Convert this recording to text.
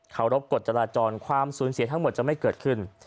รบกฎจราจรความสูญเสียทั้งหมดจะไม่เกิดขึ้น